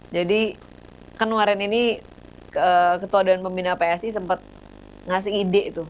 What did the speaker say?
jadi kan warian ini ketua dewan pembina psi sempat ngasih ide itu